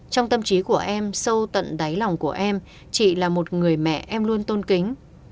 trong tâm trí của em sâu tận đáy lòng của em chị là một người mẹ em luôn tôn kính